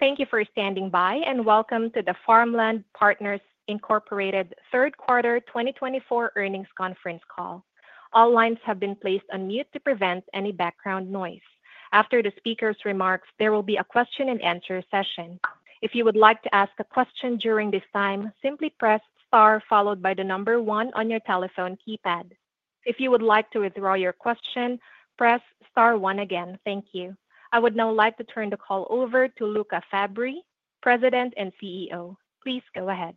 Thank you for standing by, and welcome to the Farmland Partners Incorporated third quarter 2024 earnings conference call. All lines have been placed on mute to prevent any background noise. After the speaker's remarks, there will be a question-and-answer session. If you would like to ask a question during this time, simply press star followed by the number one on your telephone keypad. If you would like to withdraw your question, press star one again. Thank you. I would now like to turn the call over to Luca Fabbri, President and CEO. Please go ahead.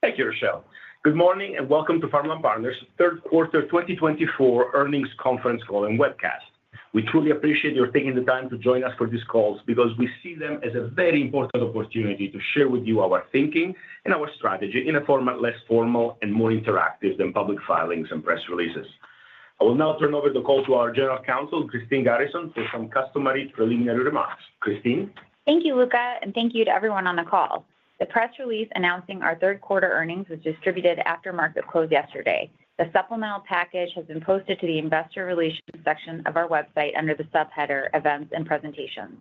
Thank you, Rochelle. Good morning and welcome to Farmland Partners third quarter 2024 earnings conference call and webcast. We truly appreciate your taking the time to join us for these calls because we see them as a very important opportunity to share with you our thinking and our strategy in a format less formal and more interactive than public filings and press releases. I will now turn over the call to our General Counsel, Christine Garrison, for some customary preliminary remarks. Christine. Thank you, Luca, and thank you to everyone on the call. The press release announcing our third quarter earnings was distributed after market close yesterday. The supplemental package has been posted to the Investor relations section of our website under the subheader events and presentations.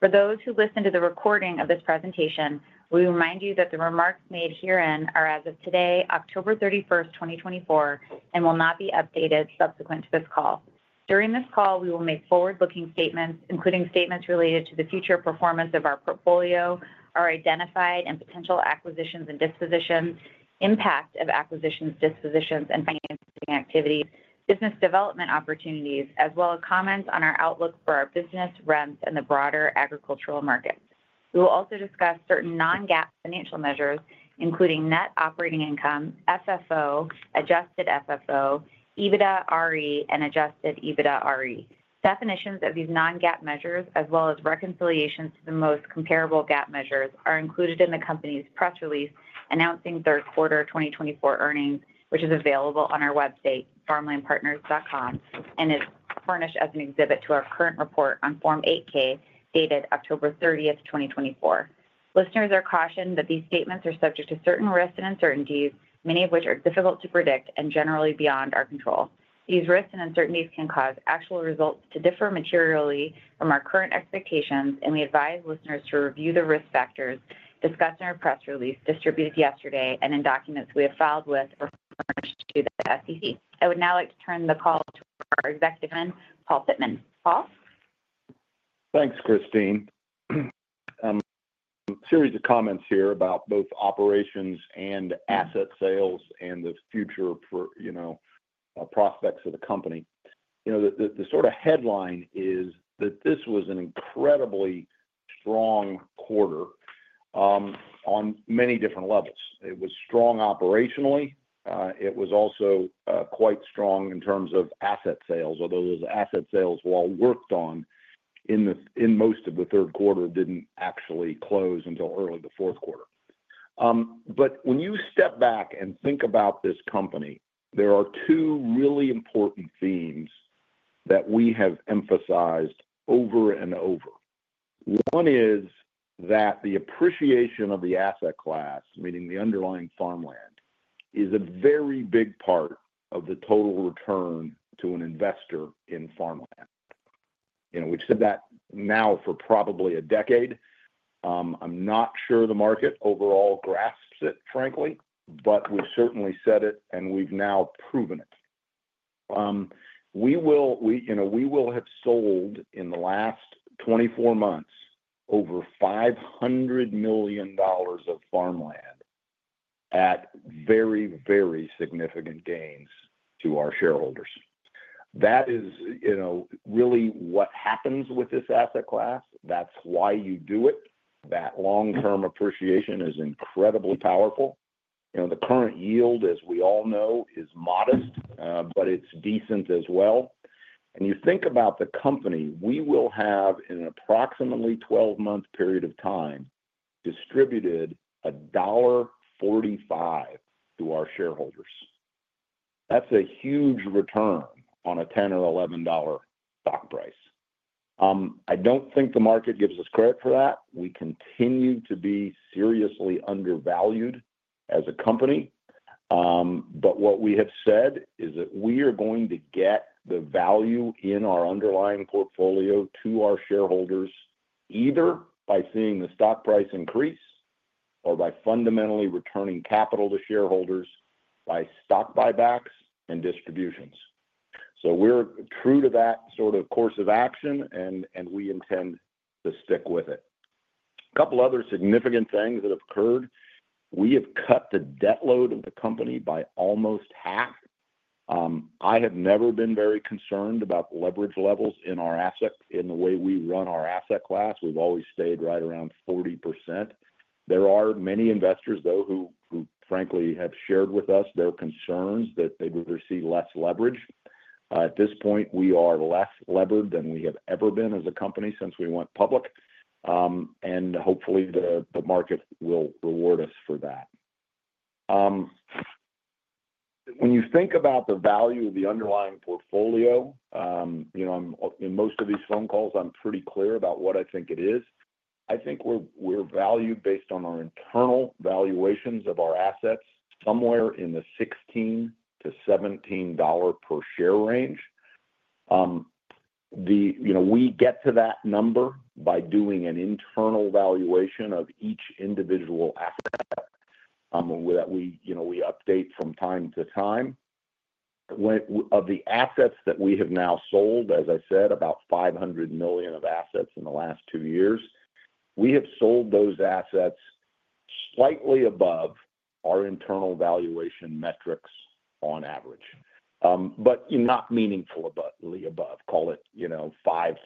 For those who listen to the recording of this presentation, we remind you that the remarks made herein are as of today, October 31st, 2024, and will not be updated subsequent to this call. During this call, we will make forward-looking statements, including statements related to the future performance of our portfolio, our identified and potential acquisitions and dispositions, impact of acquisitions, dispositions, and financing activities, business development opportunities, as well as comments on our outlook for our business, rents, and the broader agricultural market. We will also discuss certain non-GAAP financial measures, including net operating income, FFO, Adjusted FFO, EBITDAre, and Adjusted EBITDAre. Definitions of these non-GAAP measures, as well as reconciliations to the most comparable GAAP measures, are included in the company's press release announcing third quarter 2024 earnings, which is available on our website, farmlandpartners.com, and is furnished as an exhibit to our current report on Form 8-K dated October 30th, 2024. Listeners are cautioned that these statements are subject to certain risks and uncertainties, many of which are difficult to predict and generally beyond our control. These risks and uncertainties can cause actual results to differ materially from our current expectations, and we advise listeners to review the risk factors discussed in our press release distributed yesterday and in documents we have filed with or furnished to the SEC. I would now like to turn the call to our executive Paul Pittman. Paul. Thanks, Christine. A series of comments here about both operations and asset sales and the future for, you know, prospects of the company. You know, the sort of headline is that this was an incredibly strong quarter on many different levels. It was strong operationally. It was also quite strong in terms of asset sales, although those asset sales while worked on in most of the third quarter didn't actually close until early the fourth quarter. But when you step back and think about this company, there are two really important themes that we have emphasized over and over. One is that the appreciation of the asset class, meaning the underlying farmland, is a very big part of the total return to an investor in farmland. You know, we've said that now for probably a decade. I'm not sure the market overall grasps it, frankly, but we've certainly said it, and we've now proven it. We will, you know, we will have sold in the last 24 months over $500 million of farmland at very, very significant gains to our shareholders. That is, you know, really what happens with this asset class. That's why you do it. That long-term appreciation is incredibly powerful. You know, the current yield, as we all know, is modest, but it's decent as well. And you think about the company, we will have in an approximately 12-month period of time distributed $1.45 to our shareholders. That's a huge return on a $10 or $11 stock price. I don't think the market gives us credit for that. We continue to be seriously undervalued as a company. But what we have said is that we are going to get the value in our underlying portfolio to our shareholders either by seeing the stock price increase or by fundamentally returning capital to shareholders by stock buybacks and distributions. So we're true to that sort of course of action, and we intend to stick with it. A couple of other significant things that have occurred. We have cut the debt load of the company by almost half. I have never been very concerned about leverage levels in our asset in the way we run our asset class. We've always stayed right around 40%. There are many investors, though, who, frankly, have shared with us their concerns that they would receive less leverage. At this point, we are less levered than we have ever been as a company since we went public. Hopefully, the market will reward us for that. When you think about the value of the underlying portfolio, you know, in most of these phone calls, I'm pretty clear about what I think it is. I think we're valued based on our internal valuations of our assets somewhere in the $16-$17 per share range. The, you know, we get to that number by doing an internal valuation of each individual asset that we, you know, we update from time to time. Of the assets that we have now sold, as I said, about $500 million of assets in the last two years, we have sold those assets slightly above our internal valuation metrics on average, but not meaningfully above, call it, you know, 5%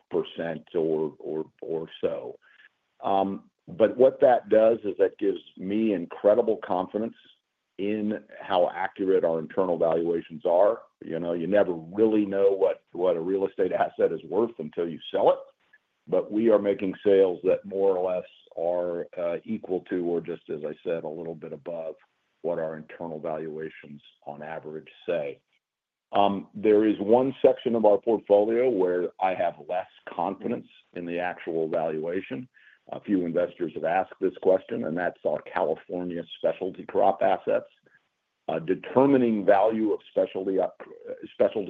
or so. But what that does is that gives me incredible confidence in how accurate our internal valuations are. You know, you never really know what a real estate asset is worth until you sell it. But we are making sales that more or less are equal to, or just, as I said, a little bit above what our internal valuations on average say. There is one section of our portfolio where I have less confidence in the actual valuation. A few investors have asked this question, and that's our California specialty crop assets. Determining value of specialty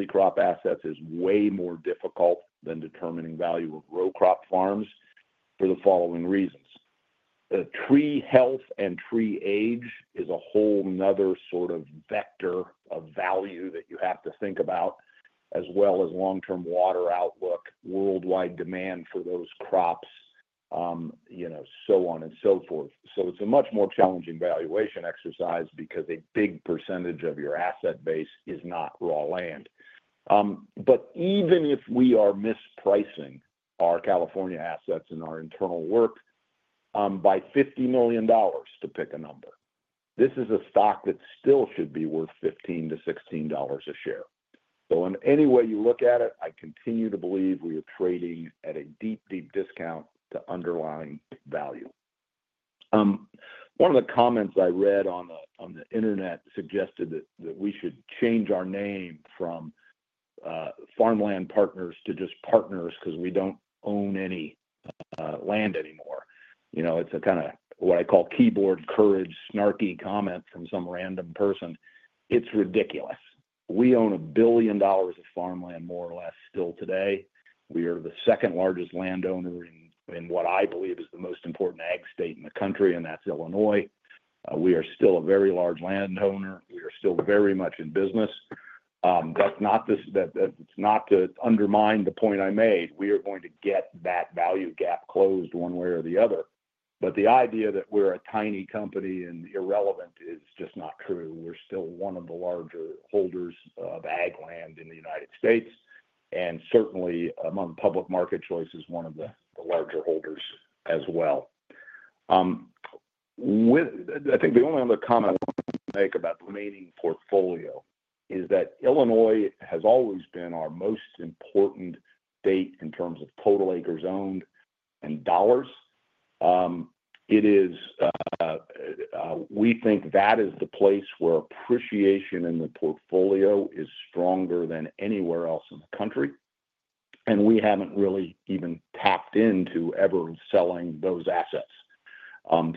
crop assets is way more difficult than determining value of row crop farms for the following reasons. Tree health and tree age is a whole nother sort of vector of value that you have to think about, as well as long-term water outlook, worldwide demand for those crops, you know, so on and so forth. So it's a much more challenging valuation exercise because a big percentage of your asset base is not raw land. But even if we are mispricing our California assets in our internal work by $50 million, to pick a number, this is a stock that still should be worth $15-$16 a share. So in any way you look at it, I continue to believe we are trading at a deep, deep discount to underlying value. One of the comments I read on the internet suggested that we should change our name from Farmland Partners to just Partners because we don't own any land anymore. You know, it's a kind of what I call keyboard courage, snarky comment from some random person. It's ridiculous. We own $1 billion of farmland more or less still today. We are the second largest landowner in what I believe is the most important ag state in the country, and that's Illinois. We are still a very large landowner. We are still very much in business. That's not to undermine the point I made. We are going to get that value gap closed one way or the other. But the idea that we're a tiny company and irrelevant is just not true. We're still one of the larger holders of ag land in the United States and certainly among public market choices, one of the larger holders as well. I think the only other comment I want to make about the remaining portfolio is that Illinois has always been our most important state in terms of total acres owned and dollars. It is, we think that is the place where appreciation in the portfolio is stronger than anywhere else in the country. And we haven't really even tapped into ever selling those assets.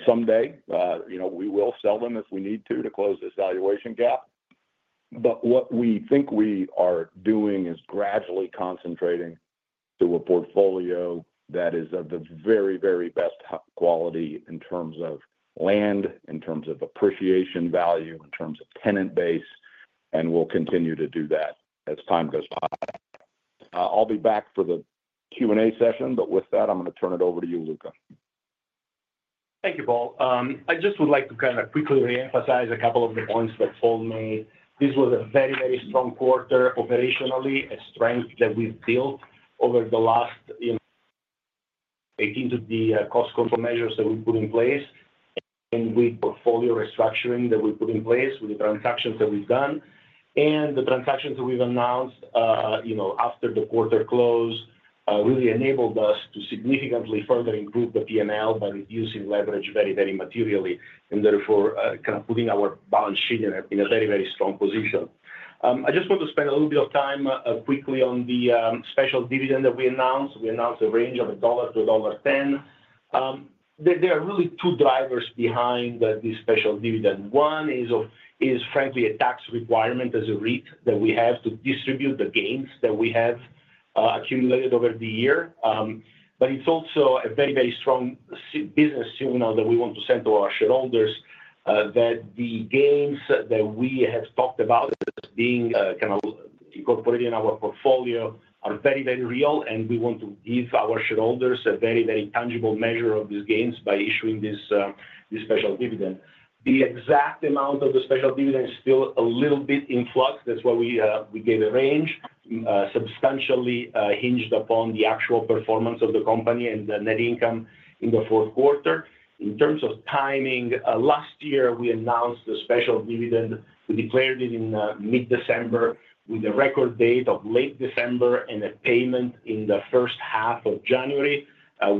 Someday, you know, we will sell them if we need to to close this valuation gap. But what we think we are doing is gradually concentrating to a portfolio that is of the very, very best quality in terms of land, in terms of appreciation value, in terms of tenant base, and we'll continue to do that as time goes by. I'll be back for the Q&A session, but with that, I'm going to turn it over to you, Luca. Thank you, Paul. I just would like to kind of quickly re-emphasize a couple of the points that Paul made. This was a very, very strong quarter operationally, a strength that we've built over the last, you know, 18. The cost control measures that we put in place and with portfolio restructuring that we put in place with the transactions that we've done. And the transactions that we've announced, you know, after the quarter close, really enabled us to significantly further improve the P&L by reducing leverage very, very materially and therefore kind of putting our balance sheet in a very, very strong position. I just want to spend a little bit of time quickly on the special dividend that we announced. We announced a range of $1-$1.10. There are really two drivers behind this special dividend. One is, frankly, a tax requirement as a REIT that we have to distribute the gains that we have accumulated over the year. But it's also a very, very strong business signal that we want to send to our shareholders that the gains that we have talked about as being kind of incorporated in our portfolio are very, very real, and we want to give our shareholders a very, very tangible measure of these gains by issuing this special dividend. The exact amount of the special dividend is still a little bit in flux. That's why we gave a range substantially hinged upon the actual performance of the company and the net income in the fourth quarter. In terms of timing, last year we announced the special dividend. We declared it in mid-December with a record date of late December and a payment in the first half of January.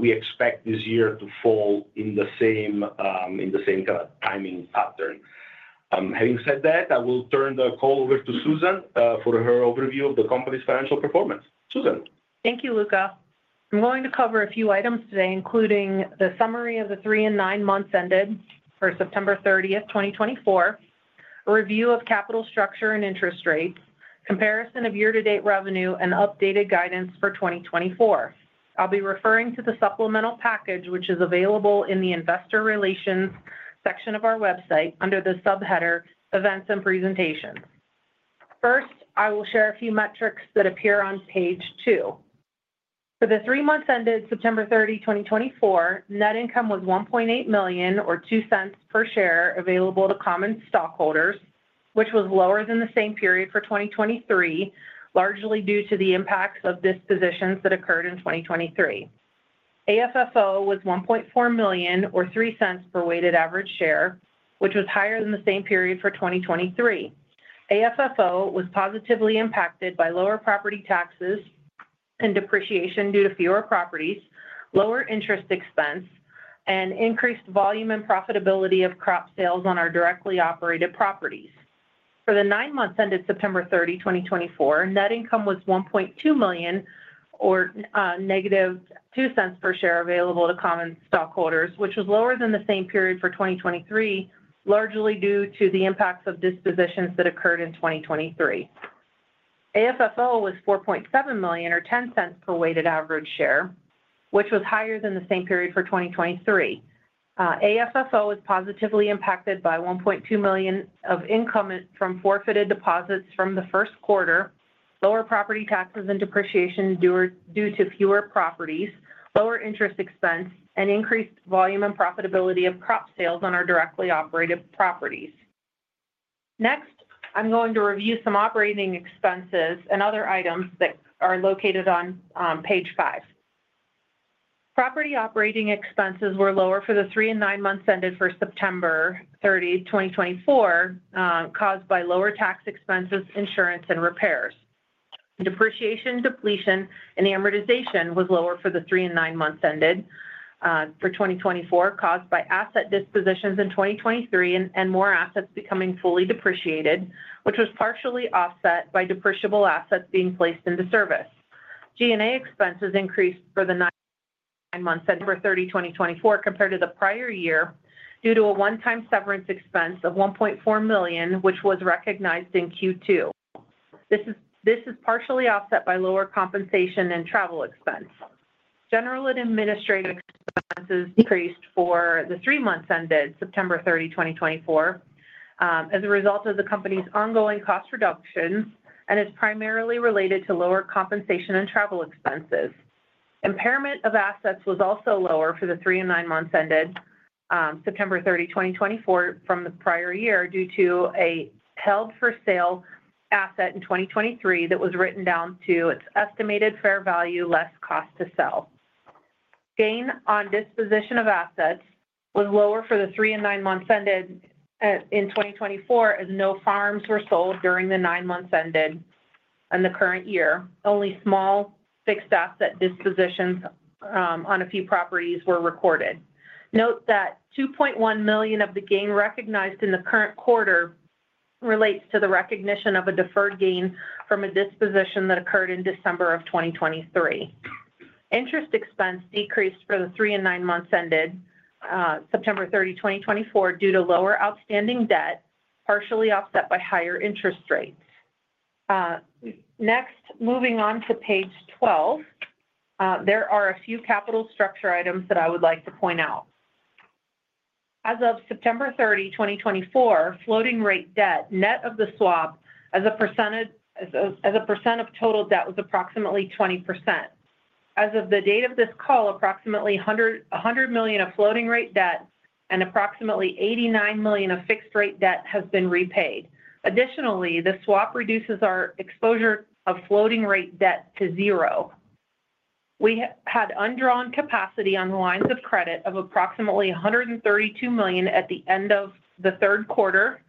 We expect this year to fall in the same kind of timing pattern. Having said that, I will turn the call over to Susan for her overview of the company's financial performance. Susan. Thank you, Luca. I'm going to cover a few items today, including the summary of the three and nine months ended September 30th, 2024, a review of capital structure and interest rates, comparison of year-to-date revenue, and updated guidance for 2024. I'll be referring to the supplemental package, which is available in the Investor Relations section of our website under the subheader Events and Presentations. First, I will share a few metrics that appear on page two. For the three months ended September 30, 2024, net income was $1.8 million or $0.02 per share available to common stockholders, which was lower than the same period for 2023, largely due to the impacts of dispositions that occurred in 2023. AFFO was $1.4 million or $0.03 per weighted average share, which was higher than the same period for 2023. AFFO was positively impacted by lower property taxes and depreciation due to fewer properties, lower interest expense, and increased volume and profitability of crop sales on our directly operated properties. For the nine months ended September 30, 2024, net income was $1.2 million or negative $0.02 per share available to common stockholders, which was lower than the same period for 2023, largely due to the impacts of dispositions that occurred in 2023. AFFO was $4.7 million or $0.10 per weighted average share, which was higher than the same period for 2023. AFFO was positively impacted by $1.2 million of income from forfeited deposits from the first quarter, lower property taxes and depreciation due to fewer properties, lower interest expense, and increased volume and profitability of crop sales on our directly operated properties. Next, I'm going to review some operating expenses and other items that are located on page five. Property operating expenses were lower for the three and nine months ended September 30, 2024, caused by lower tax expenses, insurance, and repairs. Depreciation, depletion, and amortization was lower for the three and nine months ended September 30, 2024, caused by asset dispositions in 2023 and more assets becoming fully depreciated, which was partially offset by depreciable assets being placed into service. G&A expenses increased for the nine months ended September 30, 2024, compared to the prior year due to a one-time severance expense of $1.4 million, which was recognized in Q2. This is partially offset by lower compensation and travel expense. General and administrative expenses decreased for the three months ended September 30, 2024, as a result of the company's ongoing cost reductions and is primarily related to lower compensation and travel expenses. Impairment of assets was also lower for the three and nine months ended September 30, 2024, from the prior year due to a held-for-sale asset in 2023 that was written down to its estimated fair value less cost to sell. Gain on disposition of assets was lower for the three and nine months ended in 2024 as no farms were sold during the nine months ended in the current year. Only small fixed asset dispositions on a few properties were recorded. Note that $2.1 million of the gain recognized in the current quarter relates to the recognition of a deferred gain from a disposition that occurred in December of 2023. Interest expense decreased for the three and nine months ended September 30, 2024, due to lower outstanding debt, partially offset by higher interest rates. Next, moving on to page 12, there are a few capital structure items that I would like to point out. As of September 30, 2024, floating rate debt net of the swap as a % of total debt was approximately 20%. As of the date of this call, approximately $100 million of floating rate debt and approximately $89 million of fixed rate debt has been repaid. Additionally, the swap reduces our exposure of floating rate debt to zero. We had undrawn capacity on the lines of credit of approximately $132 million at the end of the third quarter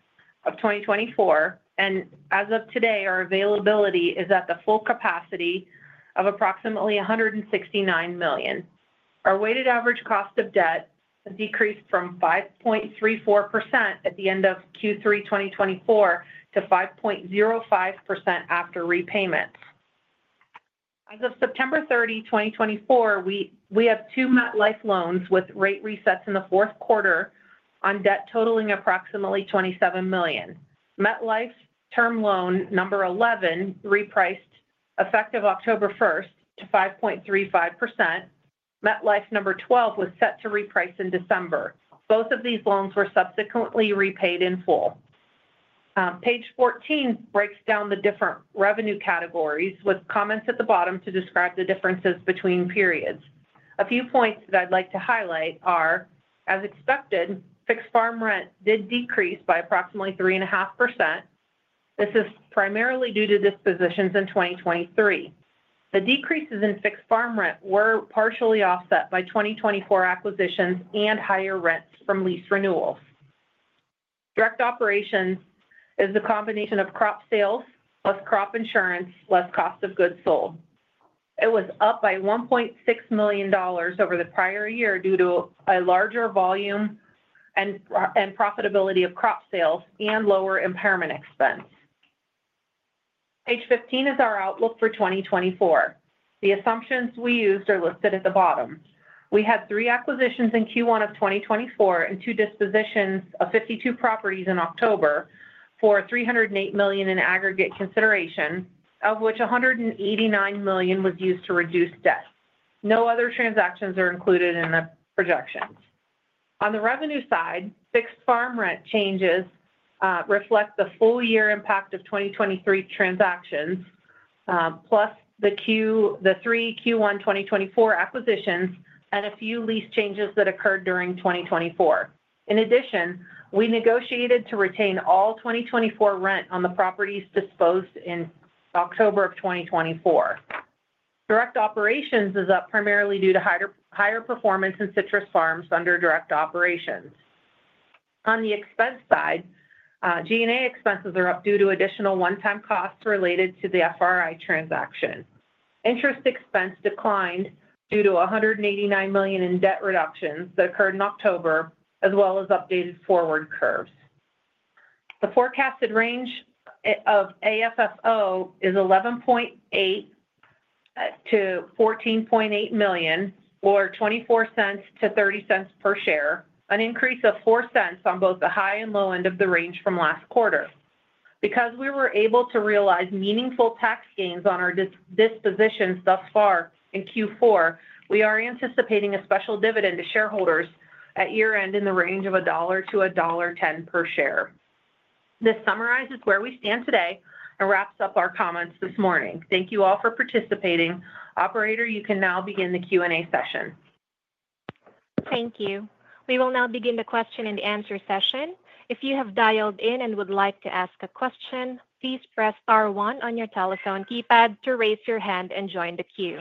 of 2024, and as of today, our availability is at the full capacity of approximately $169 million. Our weighted average cost of debt decreased from 5.34% at the end of Q3, 2024, to 5.05% after repayments. As of September 30, 2024, we have two MetLife loans with rate resets in the fourth quarter on debt totaling approximately $27 million. MetLife's term loan number 11 repriced effective October 1st to 5.35%. MetLife number 12 was set to reprice in December. Both of these loans were subsequently repaid in full. Page 14 breaks down the different revenue categories with comments at the bottom to describe the differences between periods. A few points that I'd like to highlight are, as expected, fixed farm rent did decrease by approximately 3.5%. This is primarily due to dispositions in 2023. The decreases in fixed farm rent were partially offset by 2024 acquisitions and higher rents from lease renewals. Direct operations is the combination of crop sales plus crop insurance less cost of goods sold. It was up by $1.6 million over the prior year due to a larger volume and profitability of crop sales and lower impairment expense. Page 15 is our outlook for 2024. The assumptions we used are listed at the bottom. We had three acquisitions in Q1 of 2024 and two dispositions of 52 properties in October for $308 million in aggregate consideration, of which $189 million was used to reduce debt. No other transactions are included in the projections. On the revenue side, fixed farm rent changes reflect the full year impact of 2023 transactions plus the three Q1, 2024 acquisitions and a few lease changes that occurred during 2024. In addition, we negotiated to retain all 2024 rent on the properties disposed in October of 2024. Direct operations is up primarily due to higher performance in Citrus Farms under direct operations. On the expense side, G&A expenses are up due to additional one-time costs related to the FRI transaction. Interest expense declined due to $189 million in debt reductions that occurred in October, as well as updated forward curves. The forecasted range of AFFO is $11.8 million-$14.8 million or $0.24-$0.30 per share, an increase of $0.04 on both the high and low end of the range from last quarter. Because we were able to realize meaningful tax gains on our dispositions thus far in Q4, we are anticipating a special dividend to shareholders at year-end in the range of $1-$1.10 per share. This summarizes where we stand today and wraps up our comments this morning. Thank you all for participating. Operator, you can now begin the Q&A session. Thank you. We will now begin the question and answer session. If you have dialed in and would like to ask a question, please press star one on your telephone keypad to raise your hand and join the queue.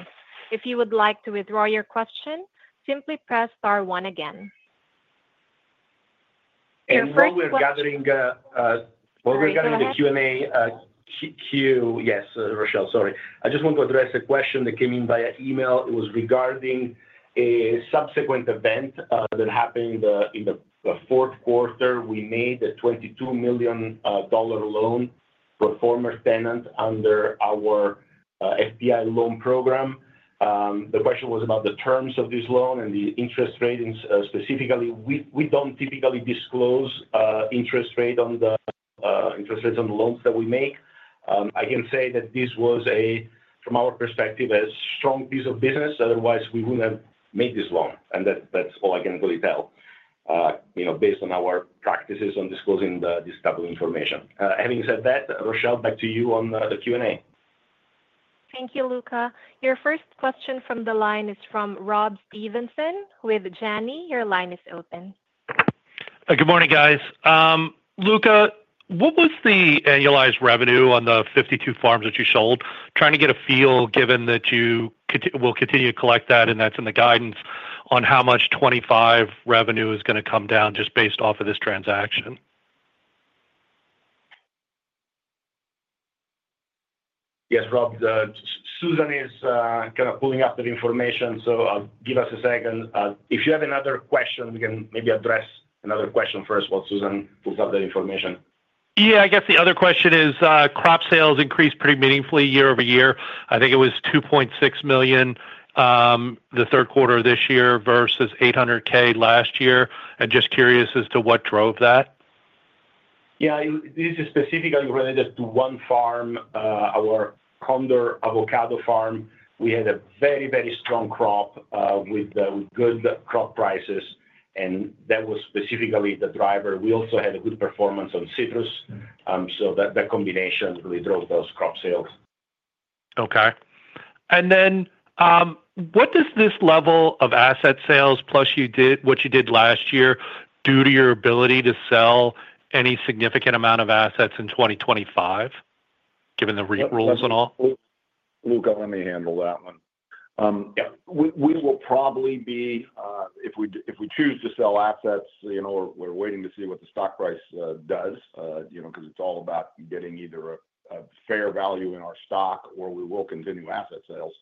If you would like to withdraw your question, simply press star one again. While we're gathering the Q&A queue, yes, Rochelle, sorry. I just want to address a question that came in via email. It was regarding a subsequent event that happened in the fourth quarter. We made a $22 million loan for a former tenant under our FPI loan program. The question was about the terms of this loan and the interest rates. Specifically, we don't typically disclose interest rates on the loans that we make. I can say that this was, from our perspective, a strong piece of business. Otherwise, we wouldn't have made this loan. That's all I can really tell, you know, based on our practices on disclosing this type of information. Having said that, Rochelle, back to you on the Q&A. Thank you, Luca. Your first question from the line is from Rob Stevenson with Janney. Your line is open. Good morning, guys. Luca, what was the annualized revenue on the 52 farms that you sold? Trying to get a feel given that you will continue to collect that, and that's in the guidance on how much 2025 revenue is going to come down just based off of this transaction. Yes, Rob, Susan is kind of pulling up that information, so give us a second. If you have another question, we can maybe address another question first while Susan pulls up that information. Yeah, I guess the other question is crop sales increased pretty meaningfully year over year. I think it was $2.6 million the third quarter of this year versus $800,000 last year. And just curious as to what drove that. Yeah, this is specifically related to one farm, our Condor Avocado Farm. We had a very, very strong crop with good crop prices, and that was specifically the driver. We also had a good performance on Citrus. So that combination really drove those crop sales. Okay, and then what does this level of asset sales plus what you did last year do to your ability to sell any significant amount of assets in 2025, given the rules and all? Luca, let me handle that one. We will probably be, if we choose to sell assets, we're waiting to see what the stock price does, you know, because it's all about getting either a fair value in our stock or we will continue asset sales.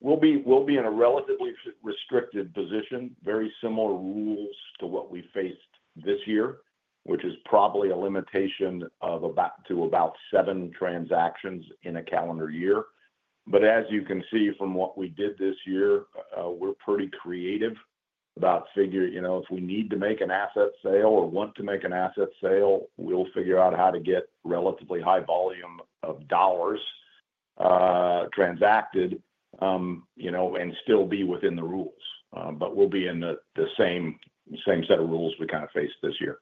We'll be in a relatively restricted position, very similar rules to what we faced this year, which is probably a limitation to about seven transactions in a calendar year. But as you can see from what we did this year, we're pretty creative about figuring, you know, if we need to make an asset sale or want to make an asset sale, we'll figure out how to get relatively high volume of dollars transacted, you know, and still be within the rules. But we'll be in the same set of rules we kind of faced this year.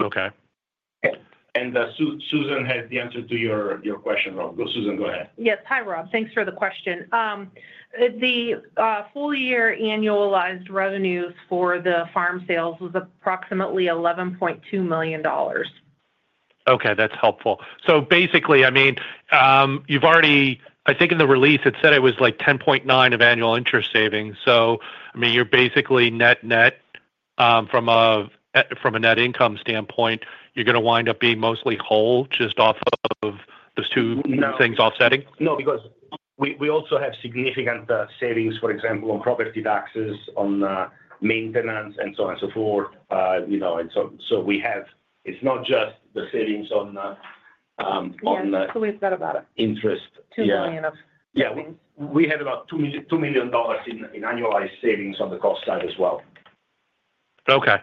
Okay. And Susan has the answer to your question, Rob. Go Susan, go ahead. Yes. Hi, Rob. Thanks for the question. The full year annualized revenues for the farm sales was approximately $11.2 million. Okay, that's helpful. So basically, I mean, you've already, I think in the release, it said it was like $10.9 million of annual interest savings. So I mean, you're basically net-net from a net income standpoint, you're going to wind up being mostly whole just off of those two things offsetting? No, because we also have significant savings, for example, on property taxes, on maintenance, and so on and so forth. You know, and so we have. It's not just the savings on. We have the least bet about it. Interest. $2 million of savings. Yeah, we have about $2 million in annualized savings on the cost side as well. Okay.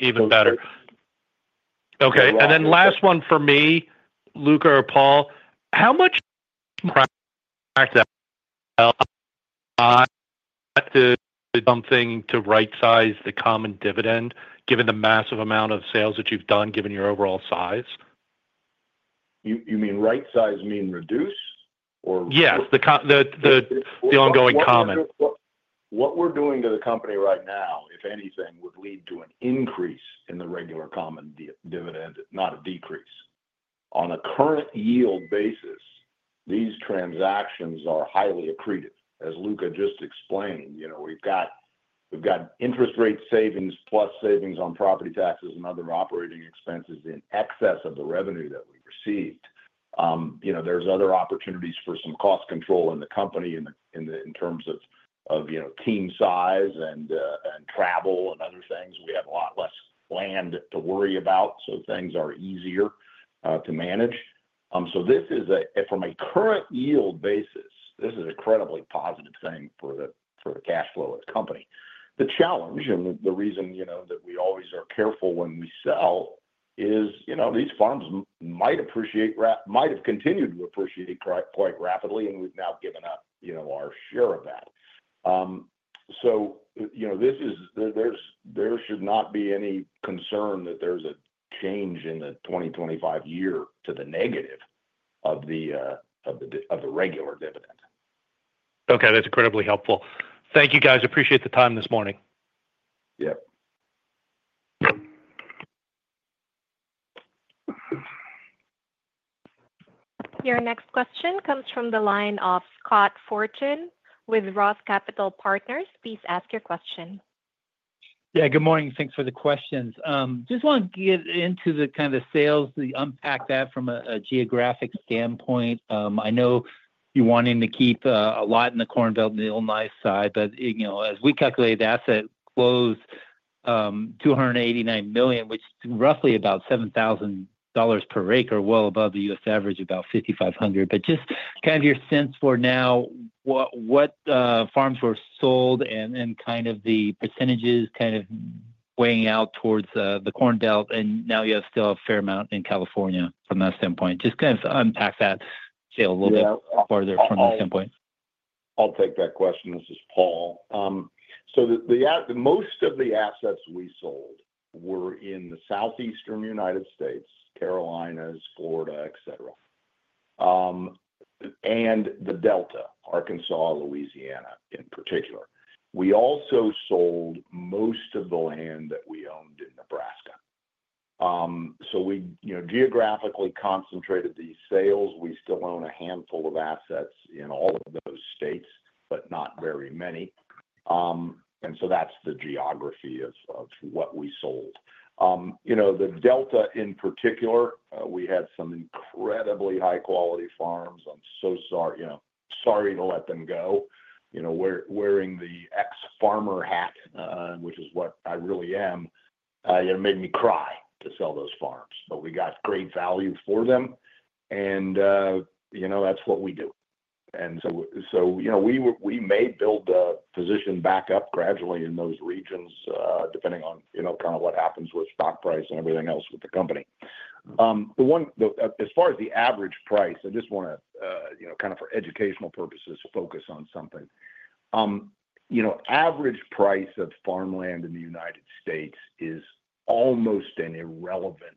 Even better. Okay. And then last one for me, Luca or Paul, how much pressure to do something to right-size the common dividend given the massive amount of sales that you've done given your overall size? You mean right-size mean reduce or? Yes, the ongoing common. What we're doing to the company right now, if anything, would lead to an increase in the regular common dividend, not a decrease. On a current yield basis, these transactions are highly accretive. As Luca just explained, you know, we've got interest rate savings plus savings on property taxes and other operating expenses in excess of the revenue that we've received. You know, there's other opportunities for some cost control in the company in terms of team size and travel and other things. We have a lot less land to worry about, so things are easier to manage. So this is, from a current yield basis, this is an incredibly positive thing for the cash flow of the company. The challenge and the reason that we always are careful when we sell is, you know, these farms might have continued to appreciate quite rapidly, and we've now given up our share of that. So there should not be any concern that there's a change in the 2025 year to the negative of the regular dividend. Okay, that's incredibly helpful. Thank you, guys. Appreciate the time this morning. Yep. Your next question comes from the line of Scott Fortune with Roth Capital Partners. Please ask your question. Yeah, good morning. Thanks for the questions. Just want to get into the kind of sales, the unpack that from a geographic standpoint. I know you wanted to keep a lot in the Corn Belt and the Illinois side, but as we calculated that, that closed $289 million, which is roughly about $7,000 per acre, well above the U.S. average of about $5,500. But just kind of your sense for now, what farms were sold and kind of the percentages kind of weighing out towards the Corn Belt, and now you have still a fair amount in California from that standpoint. Just kind of unpack that sale a little bit farther from that standpoint. I'll take that question. This is Paul. So most of the assets we sold were in the southeastern United States, Carolinas, Florida, etc., and the Delta, Arkansas, Louisiana in particular. We also sold most of the land that we owned in Nebraska. So we geographically concentrated these sales. We still own a handful of assets in all of those states, but not very many. And so that's the geography of what we sold. You know, the Delta in particular, we had some incredibly high-quality farms. I'm so sorry to let them go. You know, wearing the ex-farmer hat, which is what I really am, made me cry to sell those farms. But we got great value for them, and you know, that's what we do. We may build the position back up gradually in those regions, depending on kind of what happens with stock price and everything else with the company. As far as the average price, I just want to kind of for educational purposes focus on something. You know, average price of farmland in the United States is almost an irrelevant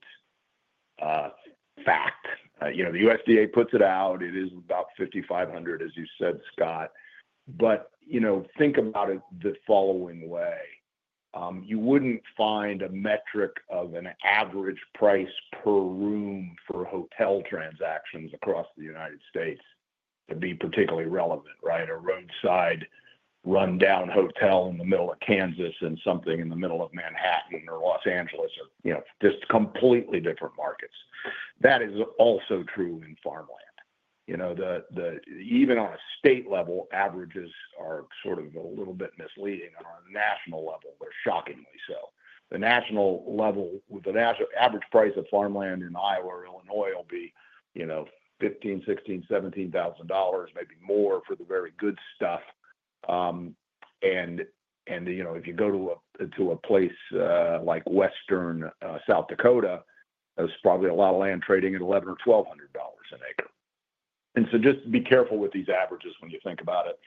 fact. You know, the USDA puts it out. It is about $5,500, as you said, Scott. But you know, think about it the following way. You wouldn't find a metric of an average price per room for hotel transactions across the United States to be particularly relevant, right? A roadside rundown hotel in the middle of Kansas and something in the middle of Manhattan or Los Angeles are just completely different markets. That is also true in farmland. You know, even on a state level, averages are sort of a little bit misleading. On a national level, they're shockingly so. The national level, the average price of farmland in Iowa or Illinois will be, you know, $15,000, $16,000, $17,000, maybe more for the very good stuff. And you know, if you go to a place like western South Dakota, there's probably a lot of land trading at $1,100 or $1,200 an acre. And so just be careful with these averages when you think about it.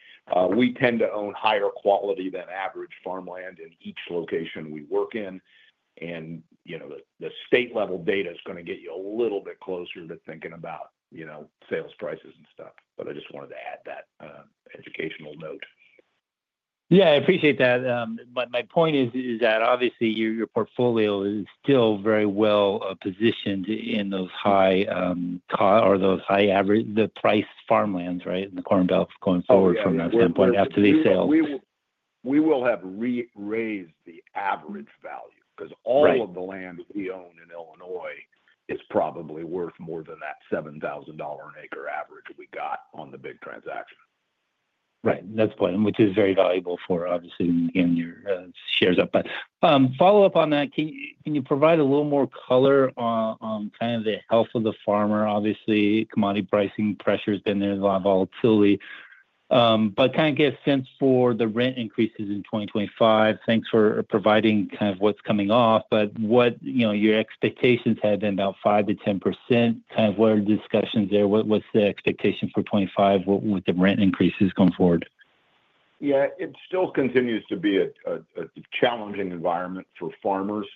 We tend to own higher quality than average farmland in each location we work in. And you know, the state-level data is going to get you a little bit closer to thinking about, you know, sales prices and stuff. But I just wanted to add that educational note. Yeah, I appreciate that. But my point is that obviously your portfolio is still very well positioned in those high- or high-average-priced farmlands, right, in the Corn Belt going forward from that standpoint after these sales. We will have raised the average value because all of the land we own in Illinois is probably worth more than that $7,000 an acre average we got on the big transaction. Right. That's important, which is very valuable for obviously getting your shares up. But follow up on that, can you provide a little more color on kind of the health of the farmer? Obviously, commodity pricing pressure has been there, a lot of volatility. But kind of get a sense for the rent increases in 2025. Thanks for providing kind of what's coming off, but what your expectations have been about 5%-10%. Kind of what are the discussions there? What's the expectation for 2025 with the rent increases going forward? Yeah, it still continues to be a challenging environment for farmers.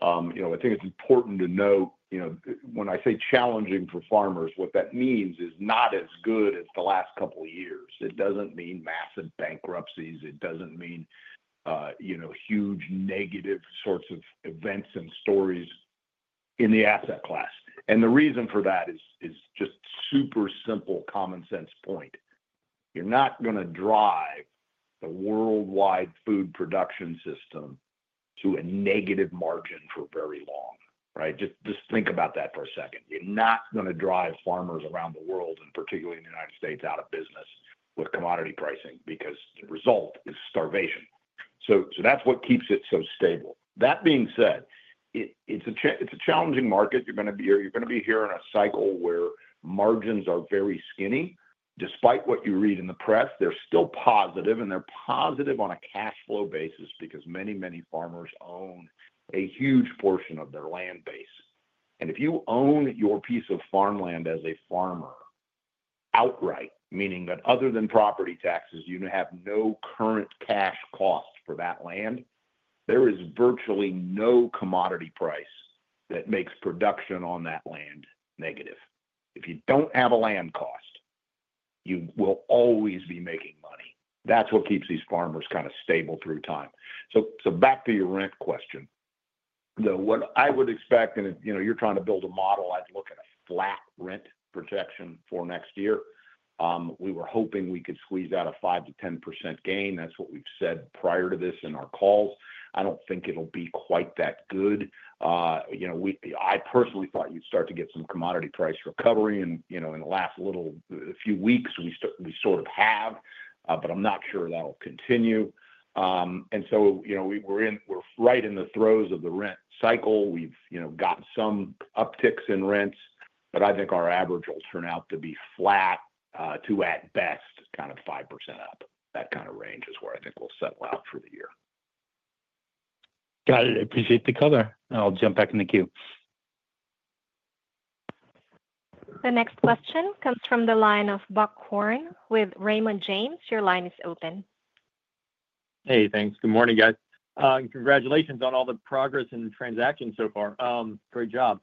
You know, I think it's important to note, you know, when I say challenging for farmers, what that means is not as good as the last couple of years. It doesn't mean massive bankruptcies. It doesn't mean, you know, huge negative sorts of events and stories in the asset class. And the reason for that is just super simple common sense point. You're not going to drive the worldwide food production system to a negative margin for very long, right? Just think about that for a second. You're not going to drive farmers around the world, and particularly in the United States, out of business with commodity pricing because the result is starvation. So that's what keeps it so stable. That being said, it's a challenging market. You're going to be here in a cycle where margins are very skinny. Despite what you read in the press, they're still positive, and they're positive on a cash flow basis because many, many farmers own a huge portion of their land base. And if you own your piece of farmland as a farmer outright, meaning that other than property taxes, you have no current cash cost for that land, there is virtually no commodity price that makes production on that land negative. If you don't have a land cost, you will always be making money. That's what keeps these farmers kind of stable through time. So back to your rent question. What I would expect, and you know, you're trying to build a model, I'd look at a flat rent projection for next year. We were hoping we could squeeze out a 5%-10% gain. That's what we've said prior to this in our calls. I don't think it'll be quite that good. You know, I personally thought you'd start to get some commodity price recovery in the last little few weeks. We sort of have, but I'm not sure that'll continue, and so we're right in the throes of the rent cycle. We've gotten some upticks in rents, but I think our average will turn out to be flat to at best kind of 5% up. That kind of range is where I think we'll settle out for the year. Got it. I appreciate the cover. I'll jump back in the queue. The next question comes from the line of Buck Horne with Raymond James. Your line is open. Hey, thanks. Good morning, guys. Congratulations on all the progress and transactions so far. Great job,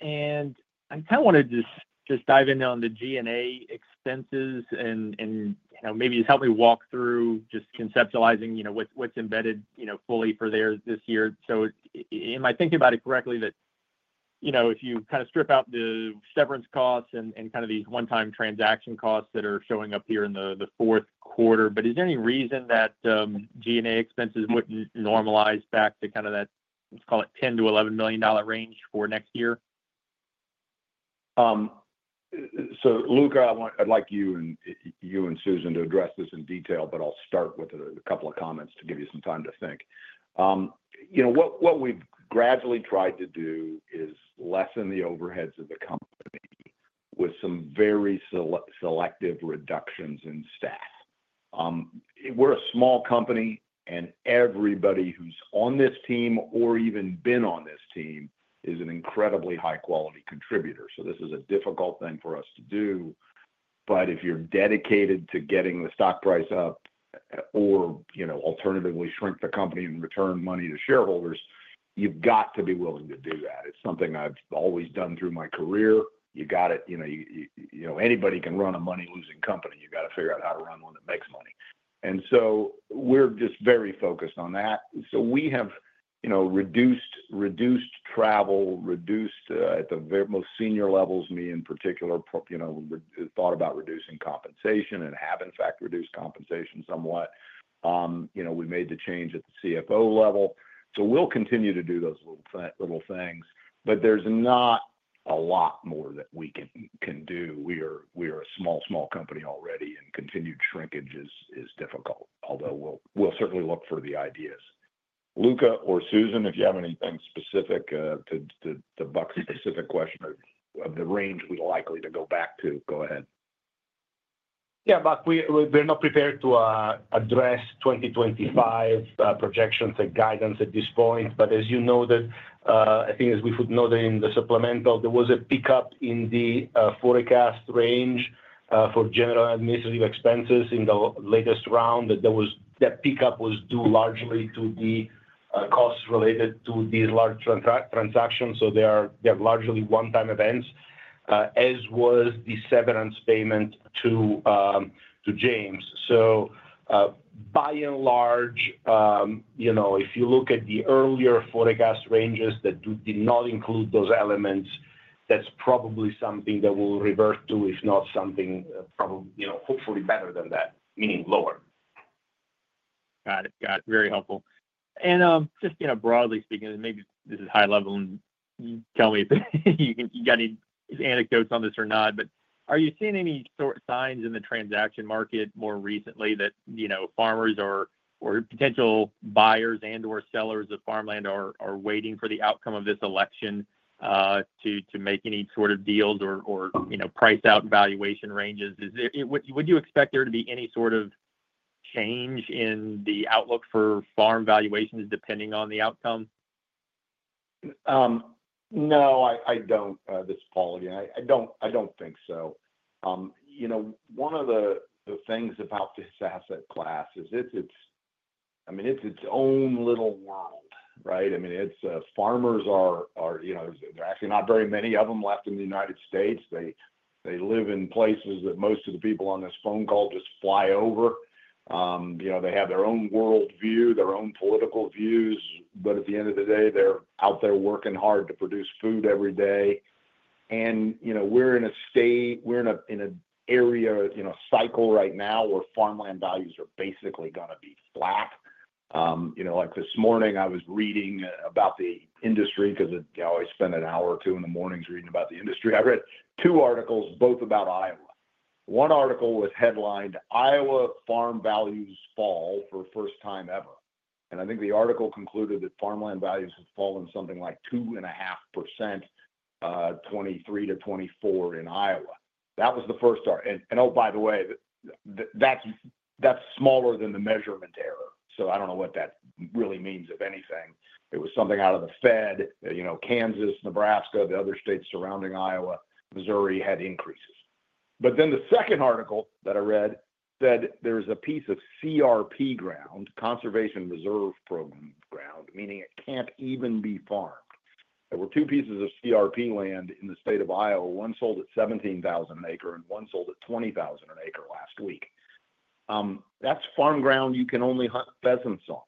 and I kind of want to just dive in on the G&A expenses and maybe just help me walk through just conceptualizing what's embedded fully for there this year, so am I thinking about it correctly that if you kind of strip out the severance costs and kind of these one-time transaction costs that are showing up here in the fourth quarter, but is there any reason that G&A expenses wouldn't normalize back to kind of that, let's call it $10 million-$11 million range for next year? So Luca, I'd like you and Susan to address this in detail, but I'll start with a couple of comments to give you some time to think. You know, what we've gradually tried to do is lessen the overheads of the company with some very selective reductions in staff. We're a small company, and everybody who's on this team or even been on this team is an incredibly high-quality contributor. So this is a difficult thing for us to do. But if you're dedicated to getting the stock price up or alternatively shrink the company and return money to shareholders, you've got to be willing to do that. It's something I've always done through my career. You got it. You know, anybody can run a money-losing company. You got to figure out how to run one that makes money. And so we're just very focused on that. So we have reduced travel, reduced at the most senior levels, me in particular, you know, thought about reducing compensation and have in fact reduced compensation somewhat. You know, we made the change at the CFO level. So we'll continue to do those little things, but there's not a lot more that we can do. We are a small, small company already, and continued shrinkage is difficult, although we'll certainly look for the ideas. Luca or Susan, if you have anything specific to Buck's specific question of the range we're likely to go back to, go ahead. Yeah, Buck, we're not prepared to address 2025 projections and guidance at this point. But as you noted, I think as we noted in the supplemental, there was a pickup in the forecast range for general and administrative expenses in the latest round. That pickup was due largely to the costs related to these large transactions. So they're largely one-time events, as was the severance payment to James. So by and large, you know, if you look at the earlier forecast ranges that did not include those elements, that's probably something that we'll revert to, if not something hopefully better than that, meaning lower. Got it. Got it. Very helpful. And just broadly speaking, and maybe this is high level, and tell me if you got any anecdotes on this or not, but are you seeing any sort of signs in the transaction market more recently that farmers or potential buyers and/or sellers of farmland are waiting for the outcome of this election to make any sort of deals or price out valuation ranges? Would you expect there to be any sort of change in the outlook for farm valuations depending on the outcome? No, I don't. This is Paul again. I don't think so. You know, one of the things about this asset class is it's, I mean, it's its own little world, right? I mean, it's farmers are, you know, there are actually not very many of them left in the United States. They live in places that most of the people on this phone call just fly over. You know, they have their own worldview, their own political views, but at the end of the day, they're out there working hard to produce food every day. And you know, we're in a state. We're in an area, you know, cycle right now where farmland values are basically going to be flat. You know, like this morning, I was reading about the industry because I always spend an hour or two in the mornings reading about the industry. I read two articles, both about Iowa. One article was headlined, "Iowa Farm Values Fall for First Time Ever." And I think the article concluded that farmland values have fallen something like 2.5%, 2023-2024 in Iowa. That was the first start. And oh, by the way, that's smaller than the measurement error. So I don't know what that really means of anything. It was something out of the Fed, you know, Kansas, Nebraska, the other states surrounding Iowa, Missouri had increases. But then the second article that I read said there is a piece of CRP ground, Conservation Reserve Program ground, meaning it can't even be farmed. There were two pieces of CRP land in the state of Iowa. One sold at $17,000 an acre and one sold at $20,000 an acre last week. That's farm ground you can only hunt pheasants on.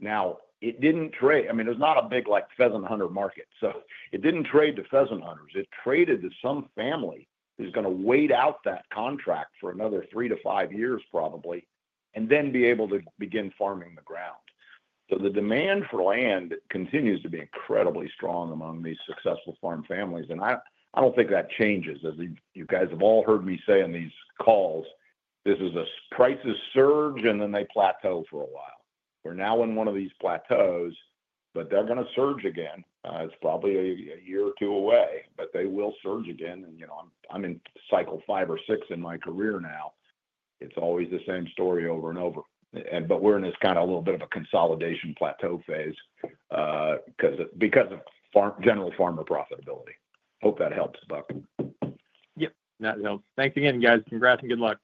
Now, it didn't trade. I mean, there's not a big like pheasant hunter market. So it didn't trade to pheasant hunters. It traded to some family who's going to wait out that contract for another three-to-five years probably and then be able to begin farming the ground. So the demand for land continues to be incredibly strong among these successful farm families. And I don't think that changes. As you guys have all heard me say on these calls, this is a prices surge and then they plateau for a while. We're now in one of these plateaus, but they're going to surge again. It's probably a year or two away, but they will surge again. And you know, I'm in cycle five or six in my career now. It's always the same story over and over. But we're in this kind of a little bit of a consolidation plateau phase because of general farmer profitability. Hope that helps, Buck. Yep. That helps. Thanks again, guys. Congrats and good luck.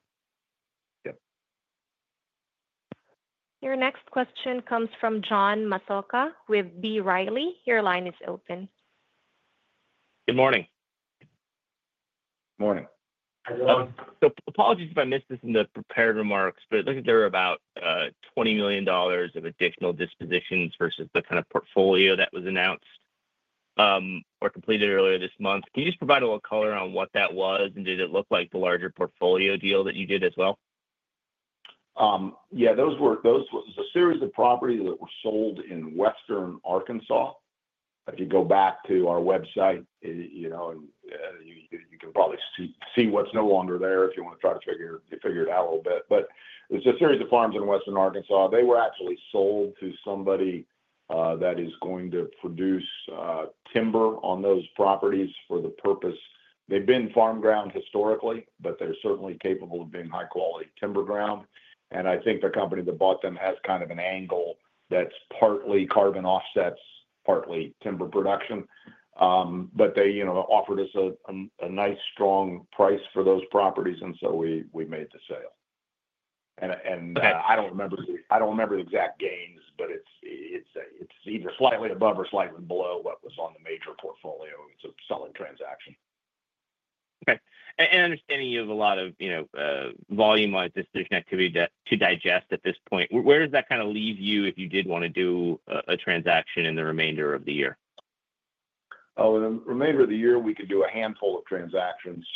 Yep. Your next question comes from John Massocca with B. Riley Securities. Your line is open. Good morning. Morning. So apologies if I missed this in the prepared remarks, but I think there were about $20 million of additional dispositions versus the kind of portfolio that was announced or completed earlier this month. Can you just provide a little color on what that was and did it look like the larger portfolio deal that you did as well? Yeah, those were a series of properties that were sold in western Arkansas. If you go back to our website, you know, and you can probably see what's no longer there if you want to try to figure it out a little bit. But it's a series of farms in western Arkansas. They were actually sold to somebody that is going to produce timber on those properties for the purpose. They've been farm ground historically, but they're certainly capable of being high-quality timber ground. And I think the company that bought them has kind of an angle that's partly carbon offsets, partly timber production. But they offered us a nice strong price for those properties, and so we made the sale. And I don't remember the exact gains, but it's either slightly above or slightly below what was on the major portfolio. It's a selling transaction. Okay. And understanding you have a lot of volume-wise decision activity to digest at this point, where does that kind of leave you if you did want to do a transaction in the remainder of the year? Oh, in the remainder of the year, we could do a handful of transactions.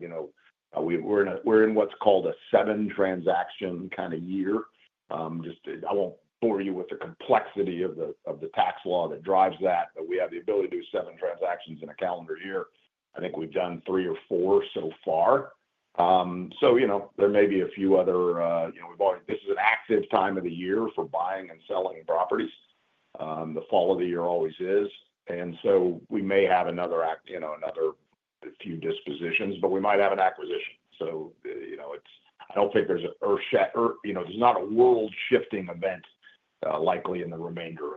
You know, we're in what's called a seven transaction kind of year. Just I won't bore you with the complexity of the tax law that drives that, but we have the ability to do seven transactions in a calendar year. I think we've done three or four so far. So you know, there may be a few other, you know, this is an active time of the year for buying and selling properties. The fall of the year always is. And so we may have another few dispositions, but we might have an acquisition. So you know, I don't think there's a, you know, there's not a world-shifting event likely in the remainder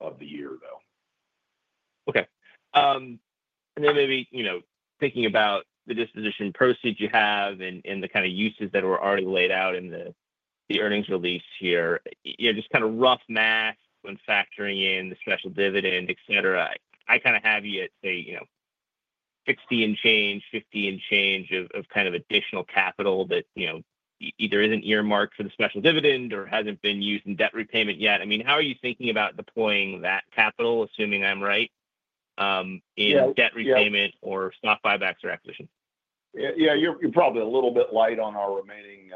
of the year though. Okay. And then maybe, you know, thinking about the disposition proceeds you have and the kind of uses that were already laid out in the earnings release here, you know, just kind of rough math when factoring in the special dividend, et cetera, I kind of have you at, say, you know, 60 and change, 50 and change of kind of additional capital that, you know, either isn't earmarked for the special dividend or hasn't been used in debt repayment yet. I mean, how are you thinking about deploying that capital, assuming I'm right, in debt repayment or stock buybacks or acquisitions? Yeah, you're probably a little bit light on our remaining,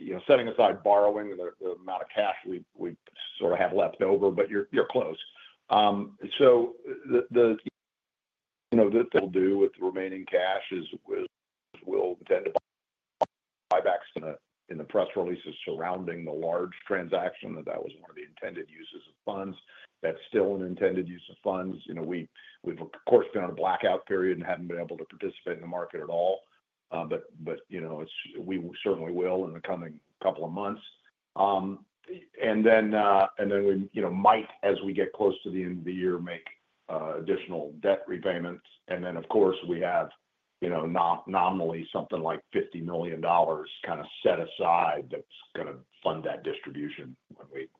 you know, setting aside borrowing the amount of cash we sort of have left over, but you're close. So, you know, the to-do with the remaining cash is we'll intend to buybacks in the press releases surrounding the large transaction that was one of the intended uses of funds. That's still an intended use of funds. You know, we've, of course, been on a blackout period and haven't been able to participate in the market at all. But, you know, we certainly will in the coming couple of months. And then we, you know, might, as we get close to the end of the year, make additional debt repayments. And then, of course, we have, you know, nominally something like $50 million kind of set aside that's going to fund that distribution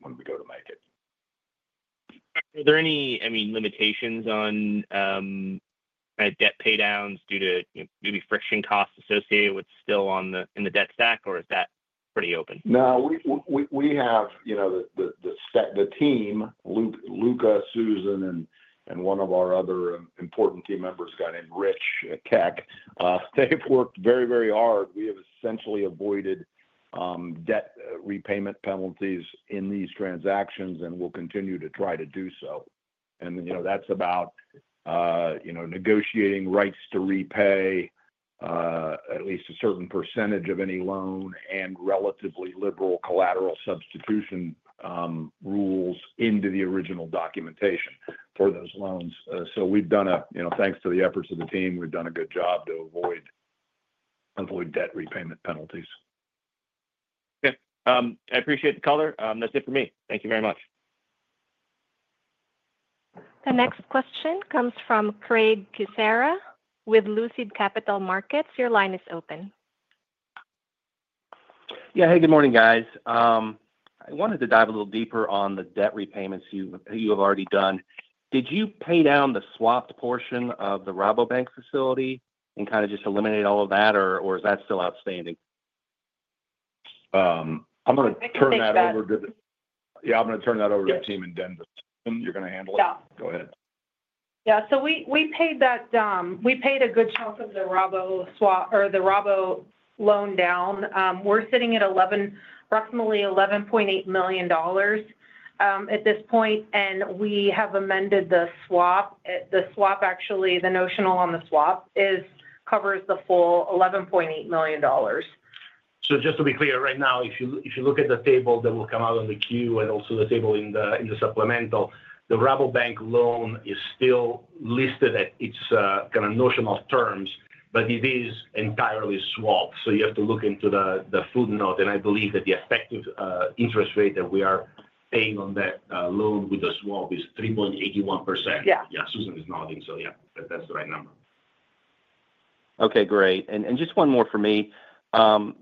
when we go to make it. Are there any, I mean, limitations on debt paydowns due to maybe friction costs associated with still on the debt stack, or is that pretty open? No, we have, you know, the team, Luca, Susan, and one of our other important team members, a guy named Rich Keck, they've worked very, very hard. We have essentially avoided debt repayment penalties in these transactions and will continue to try to do so. And you know, that's about, you know, negotiating rights to repay at least a certain percentage of any loan and relatively liberal collateral substitution rules into the original documentation for those loans. So we've done a, you know, thanks to the efforts of the team, we've done a good job to avoid debt repayment penalties. Okay. I appreciate the color. That's it for me. Thank you very much. The next question comes from Craig Kucera with Lucid Capital Markets. Your line is open. Yeah, hey, good morning, guys. I wanted to dive a little deeper on the debt repayments you have already done. Did you pay down the swapped portion of the Rabobank facility and kind of just eliminate all of that, or is that still outstanding? I'm going to turn that over to the team in Denver. You're going to handle it. Go ahead. Yeah. So we paid that, we paid a good chunk of the Rabo swap or the Rabo loan down. We're sitting at approximately $11.8 million at this point, and we have amended the swap. The swap, actually, the notional on the swap covers the full $11.8 million. So just to be clear, right now, if you look at the table that will come out on the queue and also the table in the supplemental, the Rabobank loan is still listed at its kind of notional terms, but it is entirely swapped. So you have to look into the footnote, and I believe that the effective interest rate that we are paying on that loan with the swap is 3.81%. Yeah, Susan is nodding, so yeah, that's the right number. Okay, great. And just one more for me.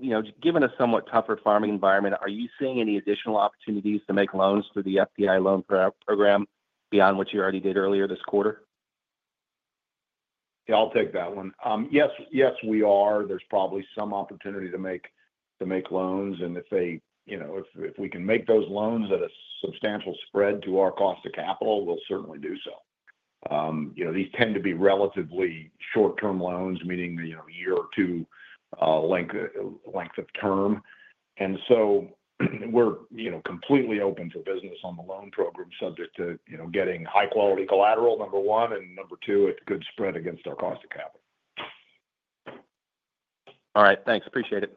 You know, given a somewhat tougher farming environment, are you seeing any additional opportunities to make loans through the FPI loan program beyond what you already did earlier this quarter? Yeah, I'll take that one. Yes, yes, we are. There's probably some opportunity to make loans. And if they, you know, if we can make those loans at a substantial spread to our cost of capital, we'll certainly do so. You know, these tend to be relatively short-term loans, meaning a year or two length of term. And so we're, you know, completely open for business on the loan program, subject to, you know, getting high-quality collateral, number one, and number two, a good spread against our cost of capital. All right. Thanks. Appreciate it.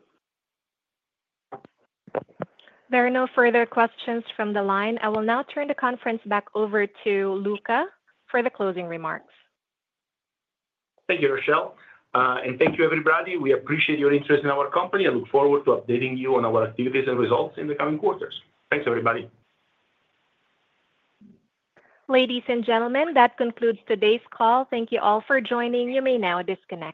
There are no further questions from the line. I will now turn the conference back over to Luca for the closing remarks. Thank you, Rochelle. And thank you, everybody. We appreciate your interest in our company and look forward to updating you on our activities and results in the coming quarters. Thanks, everybody. Ladies and gentlemen, that concludes today's call. Thank you all for joining. You may now disconnect.